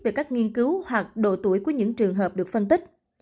về các nghiên cứu hoặc độ tuổi của những trường hợp được phân tích